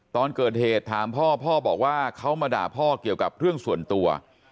ตอนเกิดเหตุถามพ่อพ่อบอกว่าเขามาด่าพ่อเกี่ยวกับเรื่องส่วนตัว